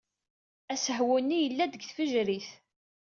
Asehwu-nni yella-d deg tfejrit.